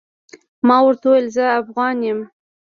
ما ورته وويل زه افغان يم.